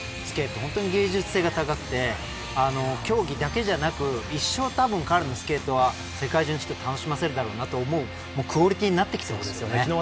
本当に芸術性が高くて競技だけれはなく一生彼のスケートは世界中の人を楽しませるだろうなと思うクオリティーになってきそうですね。